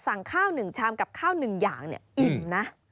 สั่งข้าว๑ชามกับข้าว๑อย่างเนี่ยอิ่มนะ